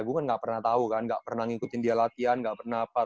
gue kan gak pernah tahu kan gak pernah ngikutin dia latihan gak pernah apa